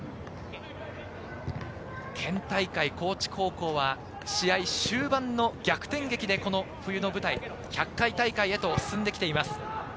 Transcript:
県大会、高知高校は試合終盤の逆転劇でこの冬の舞台１００回大会へと進んできています。